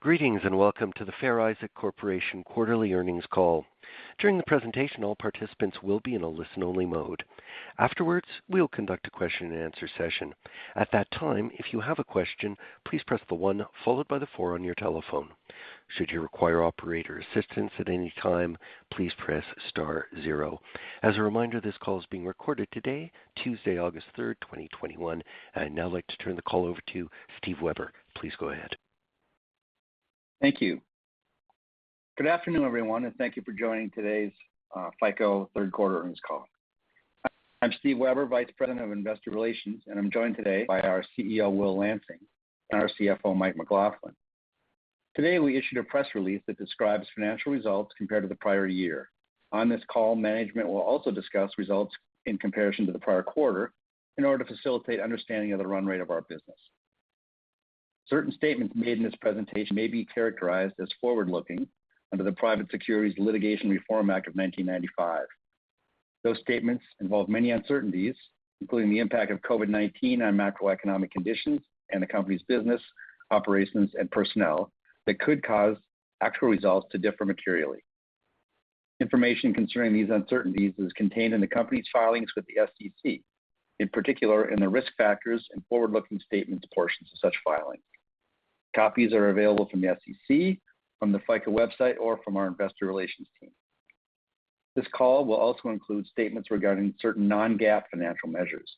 Greetings, welcome to the Fair Isaac Corporation quarterly earnings call. During the presentation, all participants will be in a listen-only mode. Afterwards, we will conduct a question-and-answer session. At that time, if you have a question, please press the one followed by the four on your telephone. Should you require operator assistance at any time, please press star zero. As a reminder, this call is being recorded today, Tuesday, August 3rd, 2021. I'd now like to turn the call over to Steve Weber. Please go ahead. Thank you. Good afternoon, everyone, and thank you for joining today's FICO third quarter earnings call. I'm Steve Weber, vice president of investor relations, and I'm joined today by our CEO, Will Lansing, and our CFO, Mike McLaughlin. Today, we issued a press release that describes financial results compared to the prior year. On this call, management will also discuss results in comparison to the prior quarter in order to facilitate understanding of the run rate of our business. Certain statements made in this presentation may be characterized as forward-looking under the Private Securities Litigation Reform Act of 1995. Those statements involve many uncertainties, including the impact of COVID-19 on macroeconomic conditions and the company's business operations and personnel that could cause actual results to differ materially. Information concerning these uncertainties is contained in the company's filings with the SEC, in particular in the risk factors and forward-looking statements portions of such filings. Copies are available from the SEC, from the FICO website, or from our investor relations team. This call will also include statements regarding certain non-GAAP financial measures.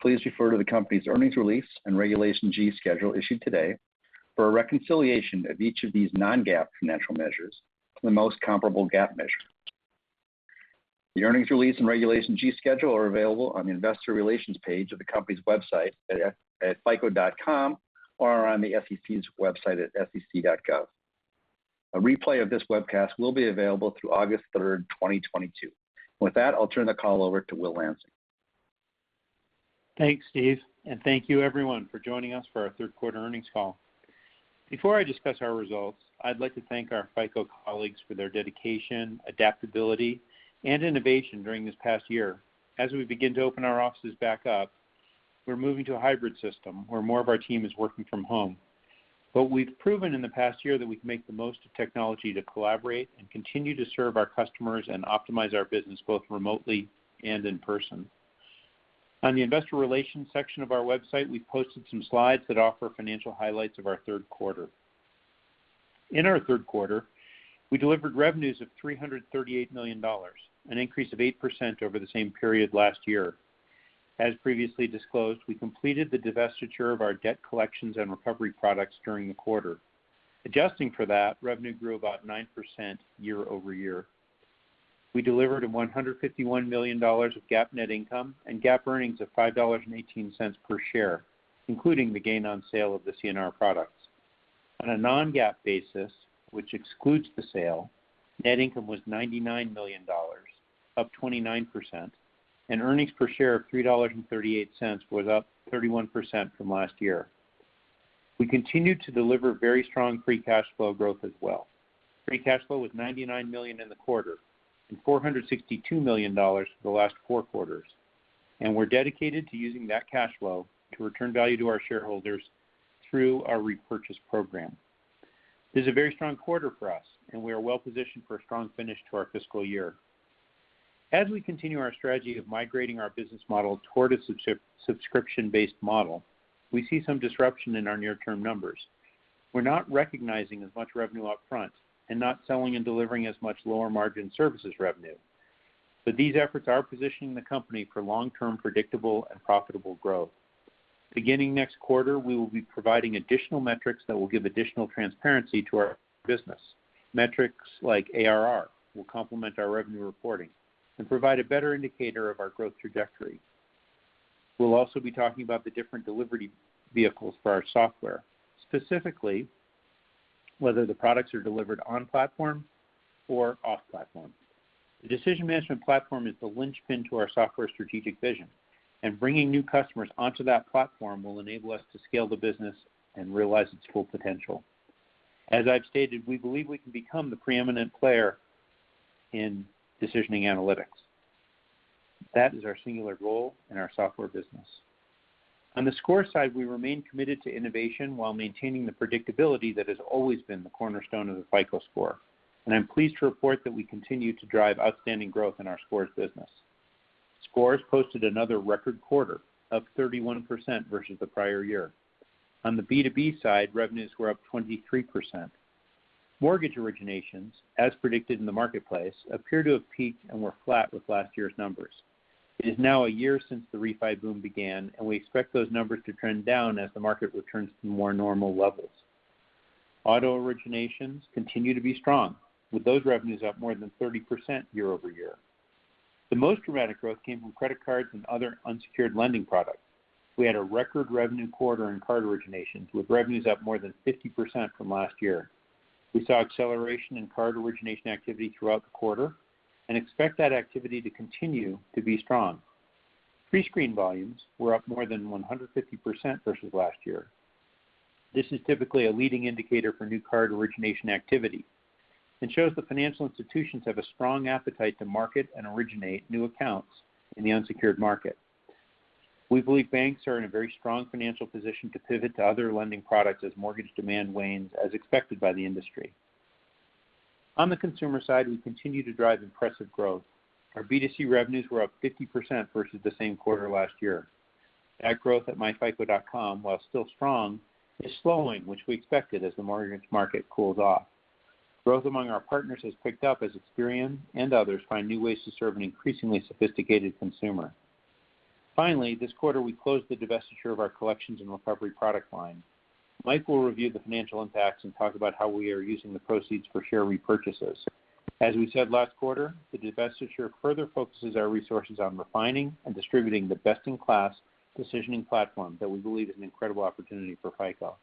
Please refer to the company's earnings release and Regulation G schedule issued today for a reconciliation of each of these non-GAAP financial measures to the most comparable GAAP measure. The earnings release and Regulation G schedule are available on the investor relations page of the company's website at fico.com or on the SEC's website at sec.gov. A replay of this webcast will be available through August 3rd, 2022. With that, I'll turn the call over to Will Lansing. Thanks, Steve, and thank you, everyone, for joining us for our third quarter earnings call. Before I discuss our results, I'd like to thank our FICO colleagues for their dedication, adaptability, and innovation during this past year. As we begin to open our offices back up, we're moving to a hybrid system where more of our team is working from home. We've proven in the past year that we can make the most of technology to collaborate and continue to serve our customers and optimize our business both remotely and in person. On the investor relations section of our website, we've posted some slides that offer financial highlights of our third quarter. In our third quarter, we delivered revenues of $338 million, an increase of 8% over the same period last year. As previously disclosed, we completed the divestiture of our debt collections and recovery products during the quarter. Adjusting for that, revenue grew about 9% year-over-year. We delivered $151 million of GAAP net income and GAAP earnings of $5.18 per share, including the gain on sale of the CNR products. On a non-GAAP basis, which excludes the sale, net income was $99 million, up 29%, and earnings per share of $3.38 was up 31% from last year. We continued to deliver very strong free cash flow growth as well. Free cash flow was $99 million in the quarter and $462 million for the last four quarters, and we're dedicated to using that cash flow to return value to our shareholders through our repurchase program. This is a very strong quarter for us, and we are well-positioned for a strong finish to our fiscal year. As we continue our strategy of migrating our business model toward a subscription-based model, we see some disruption in our near-term numbers. We're not recognizing as much revenue up front and not selling and delivering as much lower margin services revenue, but these efforts are positioning the company for long-term predictable and profitable growth. Beginning next quarter, we will be providing additional metrics that will give additional transparency to our business. Metrics like ARR will complement our revenue reporting and provide a better indicator of our growth trajectory. We'll also be talking about the different delivery vehicles for our software, specifically whether the products are delivered on platform or off platform. The decision management platform is the linchpin to our software strategic vision, and bringing new customers onto that platform will enable us to scale the business and realize its full potential. As I've stated, we believe we can become the preeminent player in decisioning analytics. That is our singular goal in our software business. On the score side, we remain committed to innovation while maintaining the predictability that has always been the cornerstone of the FICO Score, and I'm pleased to report that we continue to drive outstanding growth in our scores business. Scores posted another record quarter, up 31% versus the prior year. On the B2B side, revenues were up 23%. Mortgage originations, as predicted in the marketplace, appear to have peaked and were flat with last year's numbers. It is now a year since the refi boom began, and we expect those numbers to trend down as the market returns to more normal levels. Auto originations continue to be strong, with those revenues up more than 30% year-over-year. The most dramatic growth came from credit cards and other unsecured lending products. We had a record revenue quarter in card originations, with revenues up more than 50% from last year. We saw acceleration in card origination activity throughout the quarter and expect that activity to continue to be strong. Pre-screen volumes were up more than 150% versus last year. This is typically a leading indicator for new card origination activity and shows that financial institutions have a strong appetite to market and originate new accounts in the unsecured market. We believe banks are in a very strong financial position to pivot to other lending products as mortgage demand wanes as expected by the industry. On the consumer side, we continue to drive impressive growth. Our B2C revenues were up 50% versus the same quarter last year. Ad growth at myFICO.com, while still strong, is slowing, which we expected as the mortgage market cools off. Growth among our partners has picked up as Experian and others find new ways to serve an increasingly sophisticated consumer. Finally, this quarter, we closed the divestiture of our collections and recovery product line. Mike will review the financial impacts and talk about how we are using the proceeds for share repurchases. As we said last quarter, the divestiture further focuses our resources on refining and distributing the best-in-class decisioning platform that we believe is an incredible opportunity for FICO.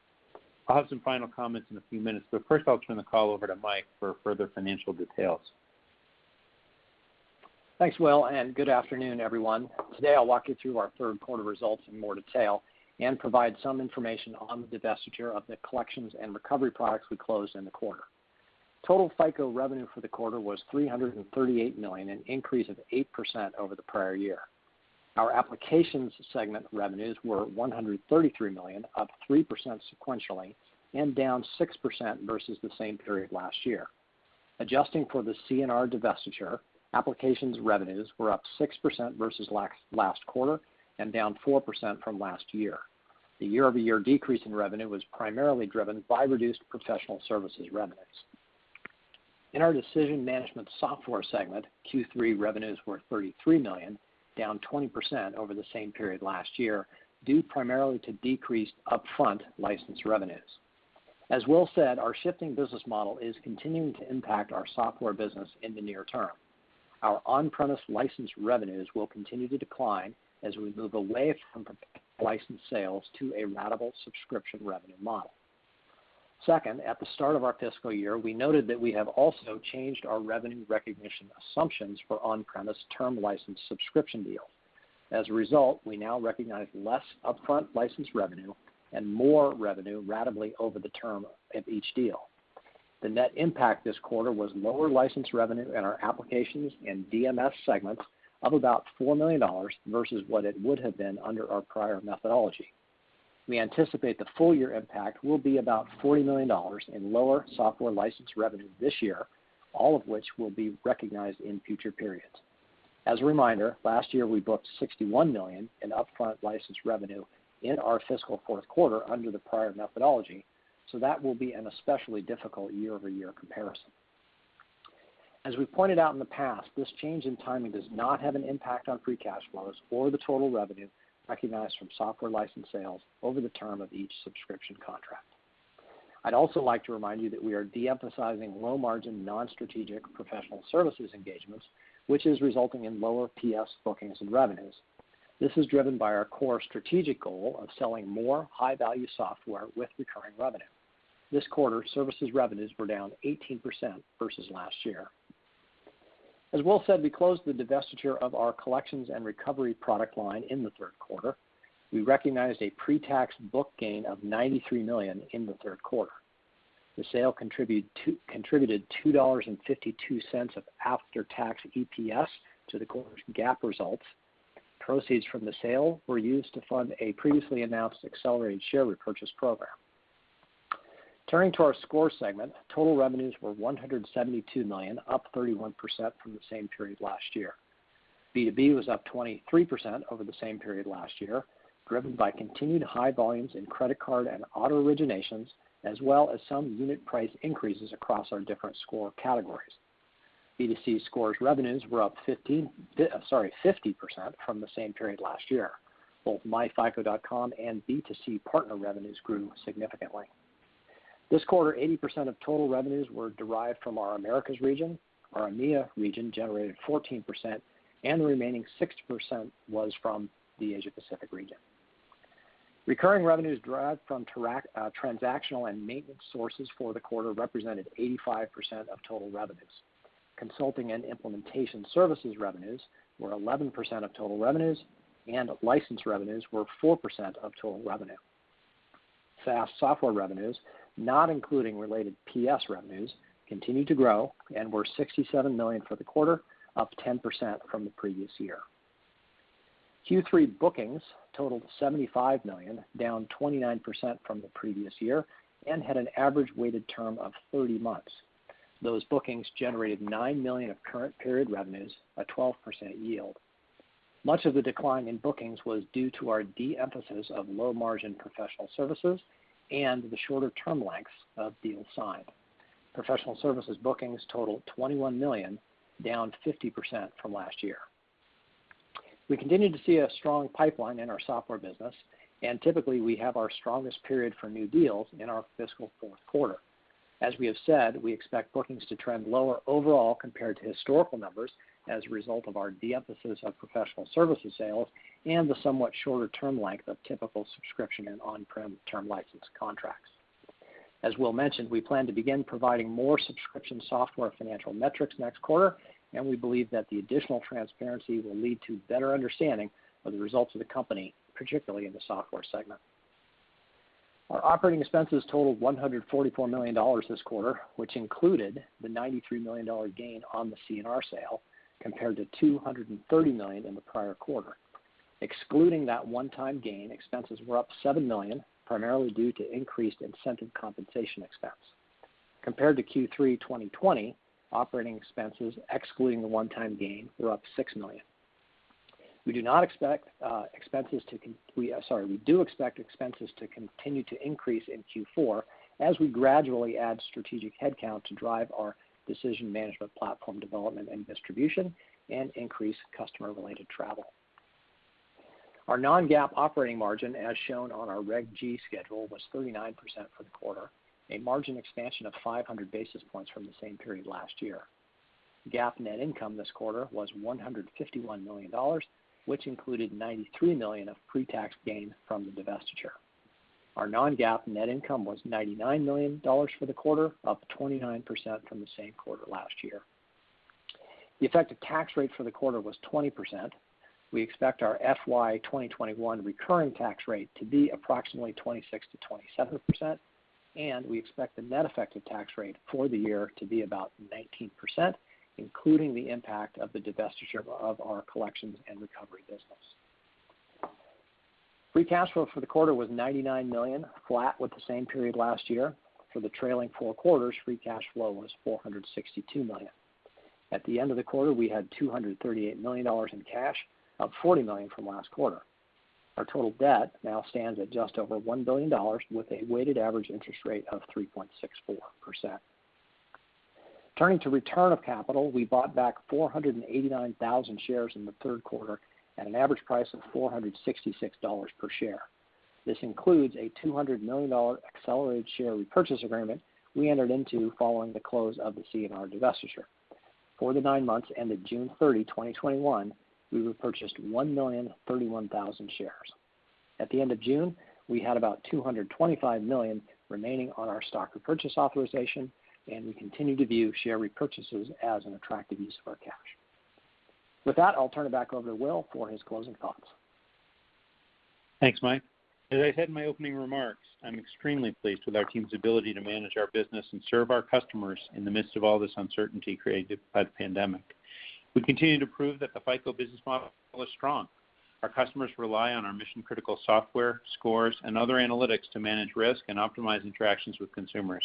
I'll have some final comments in a few minutes, but first, I'll turn the call over to Mike for further financial details. Thanks, Will, and good afternoon, everyone. Today, I'll walk you through our third quarter results in more detail and provide some information on the divestiture of the collections and recovery products we closed in the quarter. Total FICO revenue for the quarter was $338 million, an increase of 8% over the prior year. Our applications segment revenues were $133 million, up 3% sequentially and down 6% versus the same period last year. Adjusting for the CNR divestiture, applications revenues were up 6% versus last quarter and down 4% from last year. The year-over-year decrease in revenue was primarily driven by reduced professional services revenues. In our decision management software segment, Q3 revenues were $33 million, down 20% over the same period last year, due primarily to decreased upfront license revenues. As Will said, our shifting business model is continuing to impact our software business in the near-term. Our on-premise license revenues will continue to decline as we move away from license sales to a ratable subscription revenue model. Second, at the start of our fiscal year, we noted that we have also changed our revenue recognition assumptions for on-premise term license subscription deals. As a result, we now recognize less upfront license revenue and more revenue ratably over the term of each deal. The net impact this quarter was lower license revenue in our applications and DMS segments of about $4 million versus what it would have been under our prior methodology. We anticipate the full-year impact will be about $40 million in lower software license revenue this year, all of which will be recognized in future periods. As a reminder, last year we booked $61 million in upfront license revenue in our fiscal fourth quarter under the prior methodology, that will be an especially difficult year-over-year comparison. As we pointed out in the past, this change in timing does not have an impact on free cash flows or the total revenue recognized from software license sales over the term of each subscription contract. I'd also like to remind you that we are de-emphasizing low-margin, non-strategic professional services engagements, which is resulting in lower PS bookings and revenues. This is driven by our core strategic goal of selling more high-value software with recurring revenue. This quarter, services revenues were down 18% versus last year. As Will said, we closed the divestiture of our collections and recovery product line in the third quarter. We recognized a pre-tax book gain of $93 million in the third quarter. The sale contributed $2.52 of after-tax EPS to the quarter's GAAP results. Proceeds from the sale were used to fund a previously announced accelerated share repurchase program. Turning to our score segment, total revenues were $172 million, up 31% from the same period last year. B2B was up 23% over the same period last year, driven by continued high volumes in credit card and auto originations, as well as some unit price increases across our different score categories. B2C scores revenues were up 50% from the same period last year. Both myFICO.com and B2C partner revenues grew significantly. This quarter, 80% of total revenues were derived from our Americas region, our EMEA region generated 14%, and the remaining 6% was from the Asia-Pacific region. Recurring revenues derived from transactional and maintenance sources for the quarter represented 85% of total revenues. Consulting and implementation services revenues were 11% of total revenues, and license revenues were 4% of total revenue. SaaS software revenues, not including related PS revenues, continued to grow and were $67 million for the quarter, up 10% from the previous year. Q3 bookings totaled $75 million, down 29% from the previous year, and had an average weighted term of 30 months. Those bookings generated $9 million of current period revenues, a 12% yield. Much of the decline in bookings was due to our de-emphasis of low-margin professional services and the shorter term lengths of deals signed. Professional services bookings totaled $21 million, down 50% from last year. We continue to see a strong pipeline in our software business, and typically, we have our strongest period for new deals in our fiscal fourth quarter. As we have said, we expect bookings to trend lower overall compared to historical numbers as a result of our de-emphasis of professional services sales and the somewhat shorter term length of typical subscription and on-prem term license contracts. As Will mentioned, we plan to begin providing more subscription software financial metrics next quarter. We believe that the additional transparency will lead to better understanding of the results of the company, particularly in the software segment. Our operating expenses totaled $144 million this quarter, which included the $93 million gain on the CNR sale, compared to $230 million in the prior quarter. Excluding that one-time gain, expenses were up $7 million, primarily due to increased incentive compensation expense. Compared to Q3 2020, operating expenses, excluding the one-time gain, were up $6 million. We do expect expenses to continue to increase in Q4 as we gradually add strategic headcount to drive our decision management platform development and distribution and increase customer-related travel. Our non-GAAP operating margin, as shown on our Regulation G schedule, was 39% for the quarter, a margin expansion of 500 basis points from the same period last year. GAAP net income this quarter was $151 million, which included $93 million of pre-tax gain from the divestiture. Our non-GAAP net income was $99 million for the quarter, up 29% from the same quarter last year. The effective tax rate for the quarter was 20%. We expect our FY2021 recurring tax rate to be approximately 26%-27%, and we expect the net effective tax rate for the year to be about 19%, including the impact of the divestiture of our collections and recovery business. Free cash flow for the quarter was $99 million, flat with the same period last year. For the trailing four quarters, free cash flow was $462 million. At the end of the quarter, we had $238 million in cash, up $40 million from last quarter. Our total debt now stands at just over $1 billion with a weighted average interest rate of 3.64%. Turning to return of capital, we bought back 489,000 shares in the third quarter at an average price of $466 per share. This includes a $200 million accelerated share repurchase agreement we entered into following the close of the CNR divestiture. For the nine months ended June 30, 2021, we repurchased 1,031,000 shares. At the end of June, we had about $225 million remaining on our stock repurchase authorization, and we continue to view share repurchases as an attractive use of our cash. With that, I'll turn it back over to Will for his closing thoughts. Thanks, Mike. As I said in my opening remarks, I'm extremely pleased with our team's ability to manage our business and serve our customers in the midst of all this uncertainty created by the pandemic. We continue to prove that the FICO business model is strong. Our customers rely on our mission-critical software, scores, and other analytics to manage risk and optimize interactions with consumers.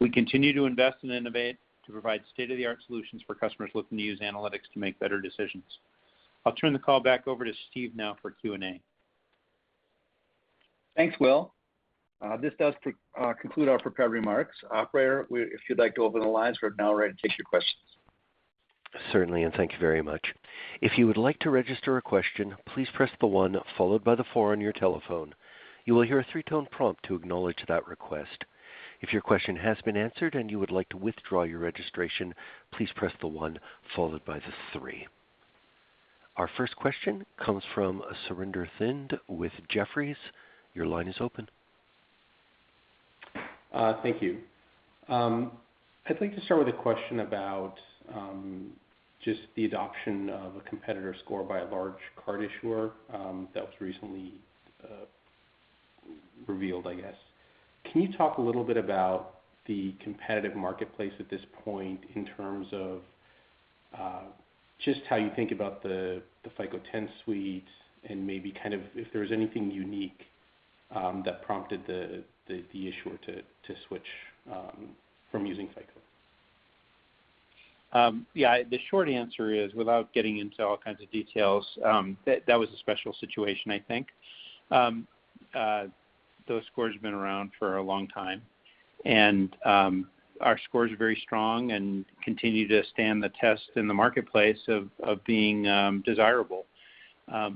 We continue to invest and innovate to provide state-of-the-art solutions for customers looking to use analytics to make better decisions. I'll turn the call back over to Steve now for Q&A. Thanks, Will. This does conclude our prepared remarks. Operator, if you'd like to open the lines, we're now ready to take your questions. Certainly, and thank you very much. If you would like to register a question, please press one followed by four on your telephone. You will hear a three-tone prompt to acknowledge that request. If your question has been answered and you would like to withdraw your registration, please press one followed by three. Our first question comes from Surinder Thind with Jefferies. Your line is open. Thank you. I'd like to start with a question about just the adoption of a competitor score by a large card issuer that was recently revealed, I guess. Can you talk a little bit about the competitive marketplace at this point in terms of just how you think about the FICO 10 suites and maybe if there was anything unique that prompted the issuer to switch from using FICO? Yeah. The short answer is, without getting into all kinds of details, that was a special situation, I think. Those scores have been around for a long time, and our scores are very strong and continue to stand the test in the marketplace of being desirable.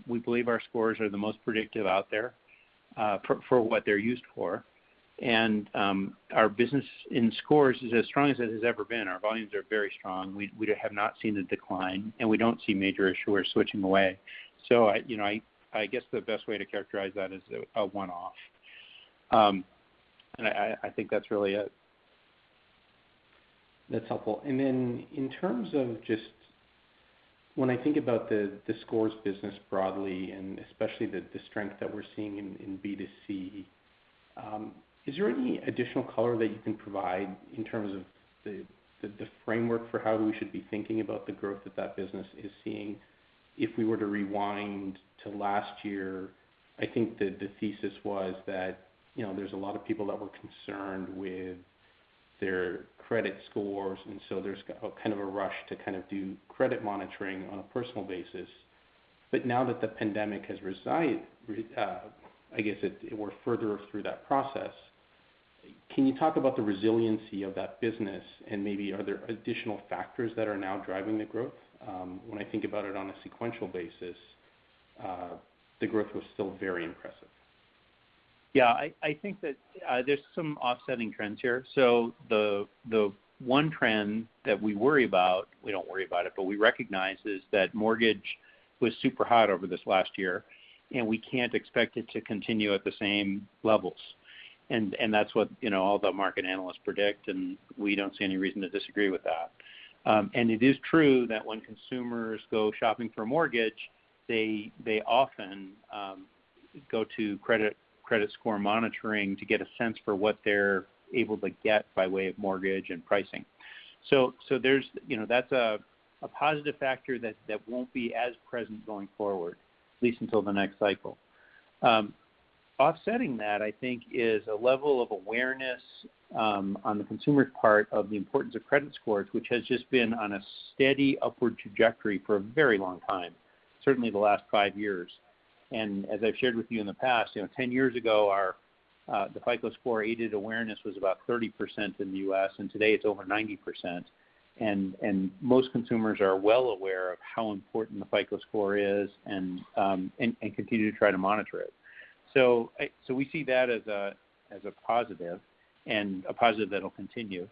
We believe our scores are the most predictive out there for what they're used for, and our business in scores is as strong as it has ever been. Our volumes are very strong. We have not seen a decline, and we don't see major issuers switching away. I guess the best way to characterize that is a one-off. I think that's really it. That's helpful. In terms of just when I think about the scores business broadly, especially the strength that we're seeing in B2C, is there any additional color that you can provide in terms of the framework for how we should be thinking about the growth that that business is seeing? If we were to rewind to last year, I think that the thesis was that there's a lot of people that were concerned with their credit scores, there's kind of a rush to do credit monitoring on a personal basis. Now that the pandemic has resided, I guess we're further through that process, can you talk about the resiliency of that business? Maybe are there additional factors that are now driving the growth? When I think about it on a sequential basis, the growth was still very impressive. Yeah, I think that there's some offsetting trends here. The one trend that we worry about, we don't worry about it, but we recognize, is that mortgage was super hot over this last year, and we can't expect it to continue at the same levels. That's what all the market analysts predict, and we don't see any reason to disagree with that. It is true that when consumers go shopping for a mortgage, they often go to credit score monitoring to get a sense for what they're able to get by way of mortgage and pricing. That's a positive factor that won't be as present going forward, at least until the next cycle. Offsetting that, I think, is a level of awareness on the consumer's part of the importance of credit scores, which has just been on a steady upward trajectory for a very long time, certainly the last five years. As I've shared with you in the past, 10 years ago, the FICO Score aided awareness was about 30% in the U.S., and today it's over 90%. Most consumers are well aware of how important the FICO Score is and continue to try to monitor it. We see that as a positive, and a positive that'll continue.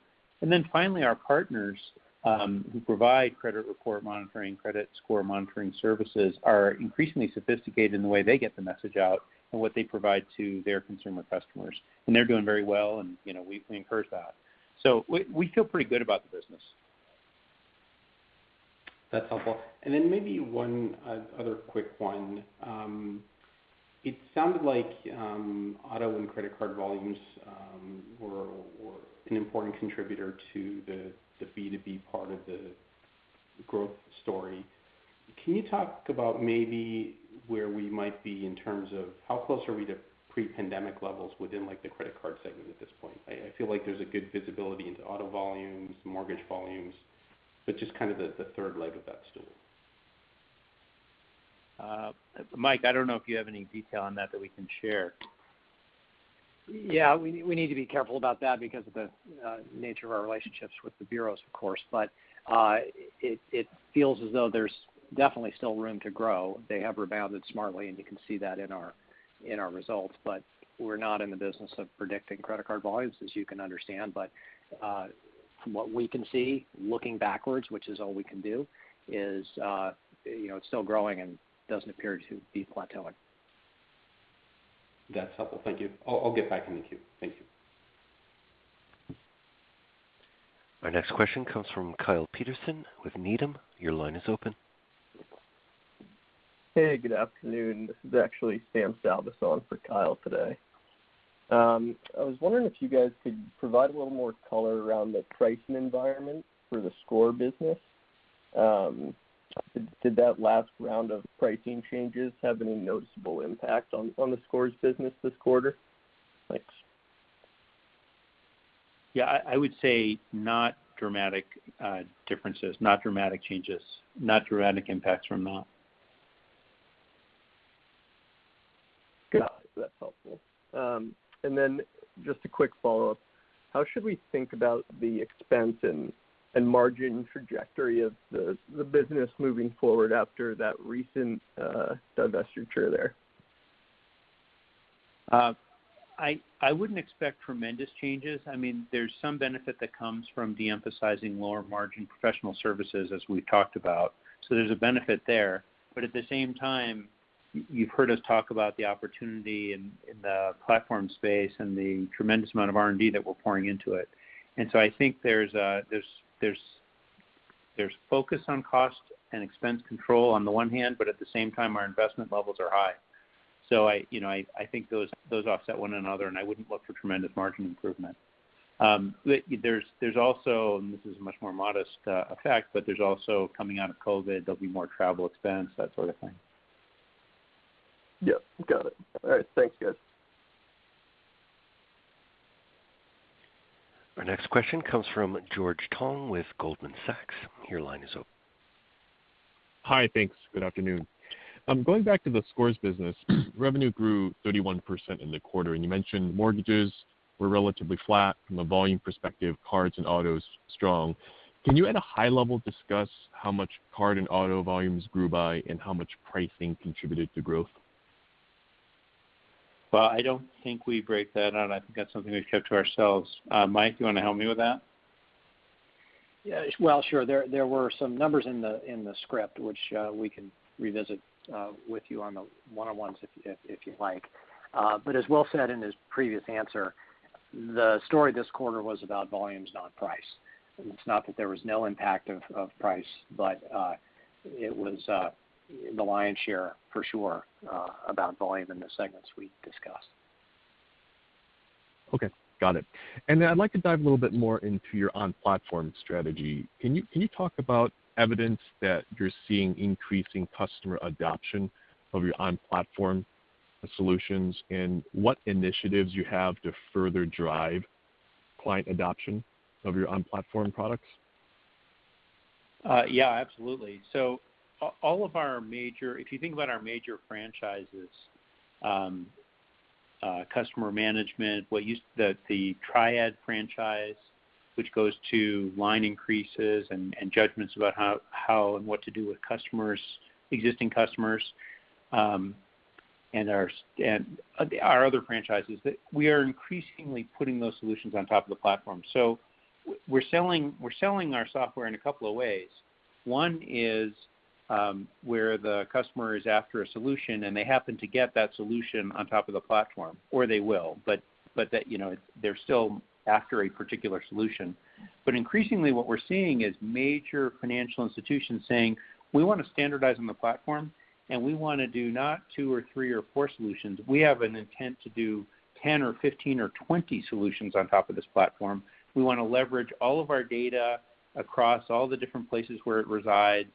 Finally, our partners who provide credit report monitoring, credit score monitoring services are increasingly sophisticated in the way they get the message out and what they provide to their consumer customers. They're doing very well and we encourage that. We feel pretty good about the business. That's helpful. Then maybe one other quick one. It sounded like auto and credit card volumes were an important contributor to the B2B part of the growth story. Can you talk about maybe where we might be in terms of how close are we to pre-pandemic levels within the credit card segment at this point? I feel like there's a good visibility into auto volumes, mortgage volumes, but just the third leg of that stool. Mike, I don't know if you have any detail on that that we can share. Yeah, we need to be careful about that because of the nature of our relationships with the bureaus, of course. It feels as though there's definitely still room to grow. They have rebounded smartly, and you can see that in our results. We're not in the business of predicting credit card volumes, as you can understand. From what we can see, looking backwards, which is all we can do, is it's still growing and doesn't appear to be plateauing. That's helpful. Thank you. I'll get back in the queue. Thank you. Our next question comes from Kyle Peterson with Needham. Your line is open. Hey, good afternoon. This is actually Sam Salveson for Kyle today. I was wondering if you guys could provide a little more color around the pricing environment for the score business. Did that last round of pricing changes have any noticeable impact on the scores business this quarter? Thanks. Yeah, I would say not dramatic differences, not dramatic changes, not dramatic impacts from that. Got it. That's helpful. Just a quick follow-up. How should we think about the expense and margin trajectory of the business moving forward after that recent divestiture there? I wouldn't expect tremendous changes. There's some benefit that comes from de-emphasizing lower margin professional services, as we've talked about. There's a benefit there. At the same time, you've heard us talk about the opportunity in the platform space and the tremendous amount of R&D that we're pouring into it. I think there's focus on cost and expense control on the one hand, but at the same time, our investment levels are high. I think those offset one another, and I wouldn't look for tremendous margin improvement. There's also, and this is a much more modest effect, but there's also coming out of COVID, there'll be more travel expense, that sort of thing. Yep. Got it. All right. Thanks, guys. Our next question comes from George Tong with Goldman Sachs. Your line is open. Hi, thanks. Good afternoon. Going back to the Scores business, revenue grew 31% in the quarter, and you mentioned mortgages were relatively flat from a volume perspective, cards and autos strong. Can you, at a high level, discuss how much card and auto volumes grew by and how much pricing contributed to growth? Well, I don't think we break that out. I think that's something we've kept to ourselves. Mike, you want to help me with that? Yeah. Well, sure. There were some numbers in the script which we can revisit with you on the one-on-ones if you'd like. As Will said in his previous answer, the story this quarter was about volumes, not price. It's not that there was no impact of price, but it was the lion's share for sure about volume in the segments we discussed. Okay. Got it. I'd like to dive a little bit more into your on-platform strategy. Can you talk about evidence that you're seeing increasing customer adoption of your on-platform solutions and what initiatives you have to further drive client adoption of your on-platform products? Yeah, absolutely. If you think about our major franchises, customer management, the TRIAD franchise, which goes to line increases and judgments about how and what to do with existing customers, and our other franchises, that we are increasingly putting those solutions on top of the platform. We're selling our software in a couple of ways. One is where the customer is after a solution and they happen to get that solution on top of the platform, or they will, but they're still after a particular solution. Increasingly what we're seeing is major financial institutions saying, "We want to standardize on the platform, and we want to do not two or three or four solutions. We have an intent to do 10 or 15 or 20 solutions on top of this platform. We want to leverage all of our data across all the different places where it resides,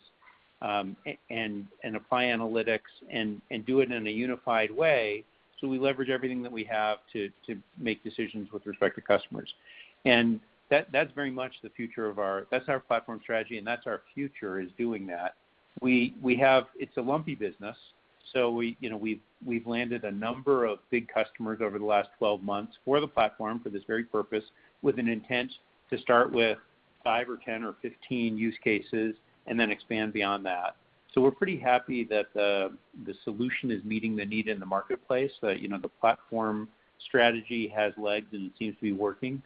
and apply analytics and do it in a unified way so we leverage everything that we have to make decisions with respect to customers. That's our platform strategy, and that's our future is doing that. It's a lumpy business, we've landed a number of big customers over the last 12 months for the platform for this very purpose, with an intent to start with five or 10 or 15 use cases and then expand beyond that. We're pretty happy that the solution is meeting the need in the marketplace, that the platform strategy has legs and seems to be working.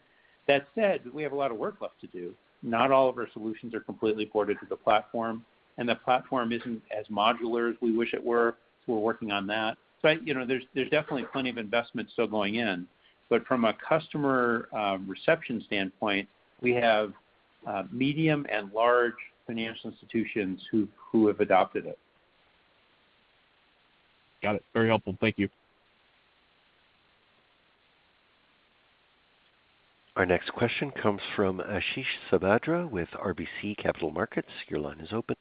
That said, we have a lot of work left to do. Not all of our solutions are completely ported to the platform. The platform isn't as modular as we wish it were. We're working on that. There's definitely plenty of investment still going in. From a customer reception standpoint, we have medium and large financial institutions who have adopted it. Got it. Very helpful. Thank you. Our next question comes from Ashish Sabadra with RBC Capital Markets. Your line is open.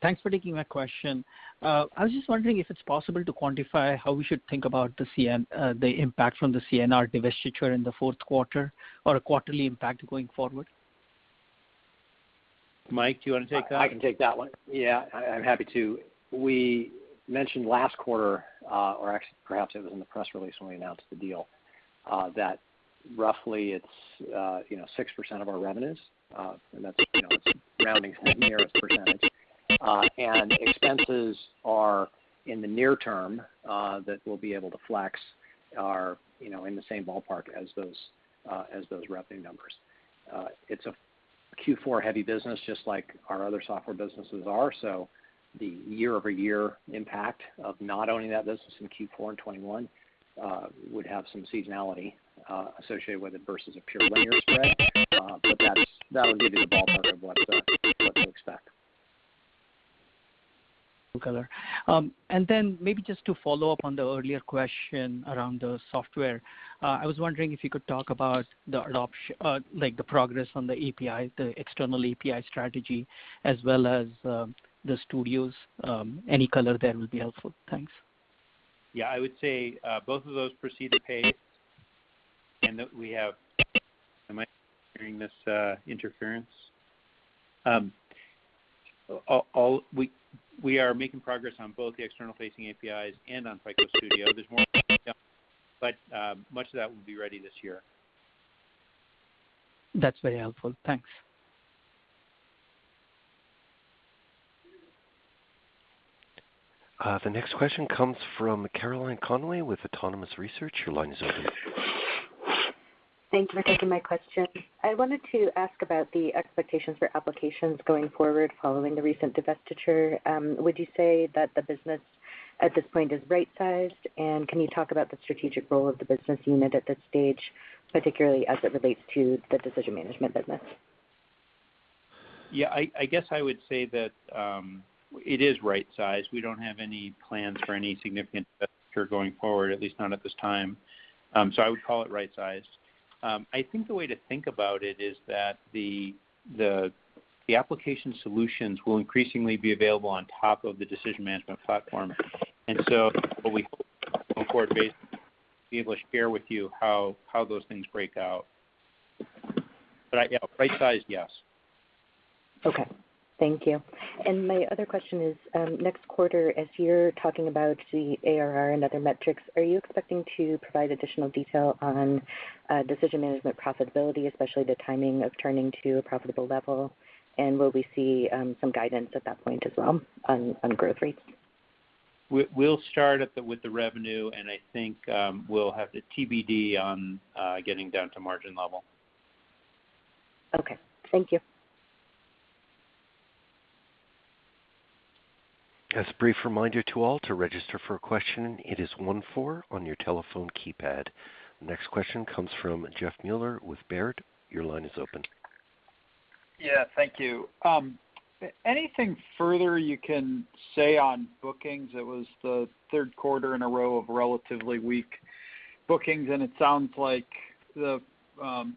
Thanks for taking my question. I was just wondering if it's possible to quantify how we should think about the impact from the CNR divestiture in the fourth quarter or a quarterly impact going forward. Mike, do you want to take that? I can take that one. Yeah, I'm happy to. We mentioned last quarter, or actually perhaps it was in the press release when we announced the deal, that roughly it's 6% of our revenues, and that's rounding to the nearest percentage. Expenses are, in the near term that we'll be able to flex, are in the same ballpark as those revenue numbers. It's a Q4-heavy business, just like our other software businesses are. The year-over-year impact of not owning that business in Q4 in 2021 would have some seasonality associated with it versus a pure linear spread. That would give you the ballpark of what to expect. Maybe just to follow up on the earlier question around the software, I was wondering if you could talk about the progress on the external API strategy as well as the studios. Any color there would be helpful. Thanks. Yeah, I would say both of those proceed apace. Am I hearing this interference? We are making progress on both the external-facing APIs and on FICO Studio. There's more work to be done, but much of that will be ready this year. That's very helpful. Thanks. The next question comes from Caroline Conway with Autonomous Research. Your line is open. Thank you for taking my question. I wanted to ask about the expectations for applications going forward following the recent divestiture. Would you say that the business at this point is right-sized? Can you talk about the strategic role of the business unit at this stage, particularly as it relates to the decision management business? I guess I would say that it is right-sized. We don't have any plans for any significant divestiture going forward, at least not at this time. I would call it right-sized. I think the way to think about it is that the application solutions will increasingly be available on top of the decision management platform. What we hope going forward is be able to share with you how those things break out. Right now, right-sized, yes. Okay. Thank you. My other question is, next quarter, as you're talking about the ARR and other metrics, are you expecting to provide additional detail on decision management profitability, especially the timing of turning to a profitable level? Will we see some guidance at that point as well on growth rates? We'll start with the revenue, and I think we'll have the TBD on getting down to margin level. Okay. Thank you. As a brief reminder to all, to register for a question, it is one-four on your telephone keypad. Next question comes from Jeff Meuler with Baird. Your line is open. Yeah, thank you. Anything further you can say on bookings? It was the third quarter in a row of relatively weak bookings, and it sounds like the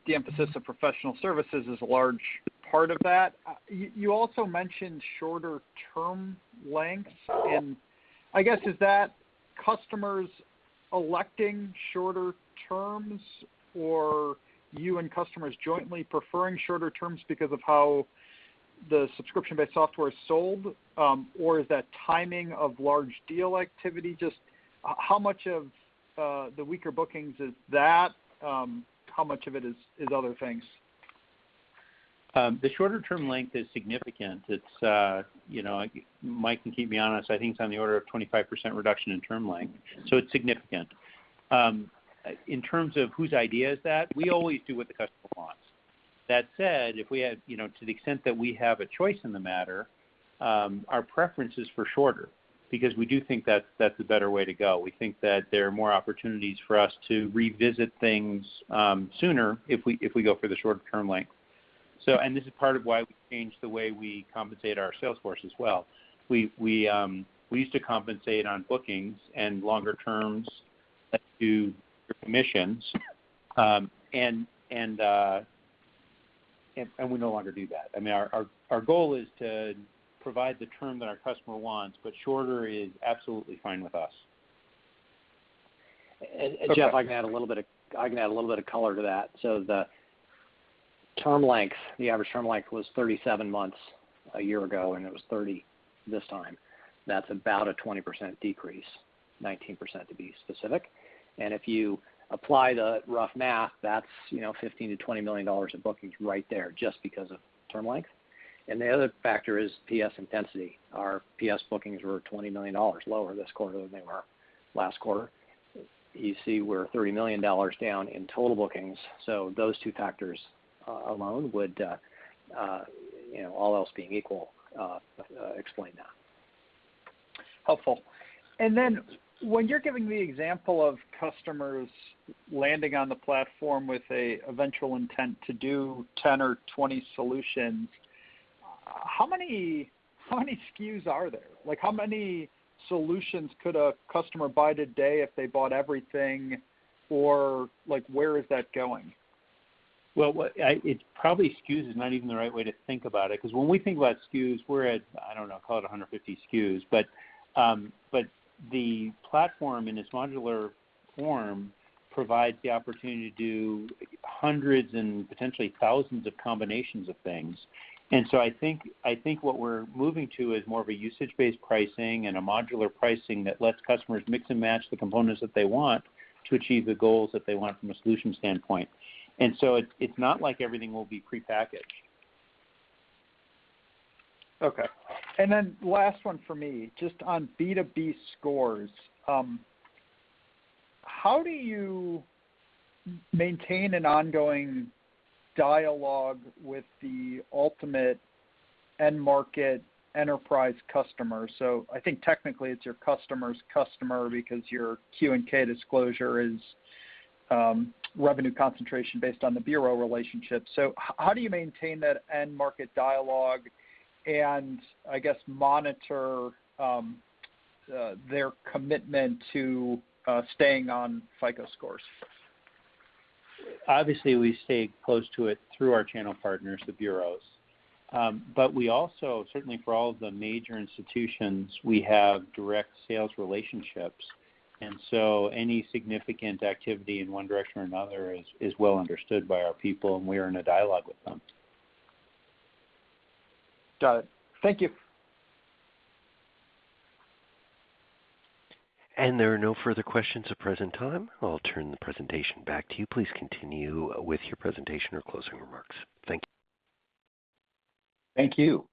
emphasis on professional services is a large part of that. You also mentioned shorter term lengths, and I guess, is that customers electing shorter terms, or you and customers jointly preferring shorter terms because of how the subscription-based software is sold? Is that timing of large deal activity? Just how much of the weaker bookings is that? How much of it is other things? The shorter term length is significant. Mike can keep me honest. I think it's on the order of 25% reduction in term length, so it's significant. In terms of whose idea is that, we always do what the customer wants. That said, to the extent that we have a choice in the matter, our preference is for shorter, because we do think that's a better way to go. We think that there are more opportunities for us to revisit things sooner if we go for the shorter term length. This is part of why we changed the way we compensate our sales force as well. We used to compensate on bookings and longer terms that do your commissions, and we no longer do that. Our goal is to provide the term that our customer wants, but shorter is absolutely fine with us. Jeff, I can add a little bit of color to that. The average term length was 37 months a year ago, and it was 30 this time. That's about a 20% decrease, 19% to be specific. If you apply the rough math, that's $15 million-$20 million of bookings right there, just because of term length. The other factor is PS intensity. Our PS bookings were $20 million lower this quarter than they were last quarter. You see we're $30 million down in total bookings. Those two factors alone would, all else being equal, explain that. Helpful. Then when you're giving the example of customers landing on the platform with a eventual intent to do 10 or 20 solutions, how many SKUs are there? How many solutions could a customer buy today if they bought everything, or where is that going? Well, probably SKUs is not even the right way to think about it, because when we think about SKUs, we're at, I don't know, call it 150 SKUs. The platform, in its modular form, provides the opportunity to do hundreds and potentially thousands of combinations of things. I think what we're moving to is more of a usage-based pricing and a modular pricing that lets customers mix and match the components that they want to achieve the goals that they want from a solution standpoint. It's not like everything will be prepackaged. Okay. Last one from me, just on B2B scores. How do you maintain an ongoing dialogue with the ultimate end-market enterprise customer? I think technically it's your customer's customer because your 10-K disclosure is revenue concentration based on the bureau relationship. How do you maintain that end-market dialogue and I guess monitor their commitment to staying on FICO scores? Obviously, we stay close to it through our channel partners, the bureaus. We also, certainly for all of the major institutions, we have direct sales relationships. Any significant activity in one direction or another is well understood by our people, and we are in a dialogue with them. Got it. Thank you. There are no further questions at present time. I'll turn the presentation back to you. Please continue with your presentation or closing remarks. Thank you. Thank you.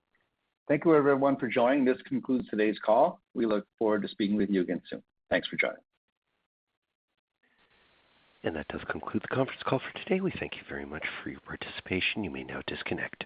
Thank you, everyone, for joining. This concludes today's call. We look forward to speaking with you again soon. Thanks for joining. That does conclude the conference call for today. We thank you very much for your participation. You may now disconnect.